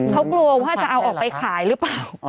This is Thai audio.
เขากลัวว่าจะเอาออกไปขายหรือเปล่า